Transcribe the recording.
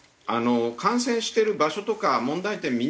感染してる場所とか問題点